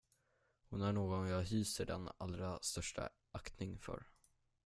Hon är någon jag hyser den allra största aktning för.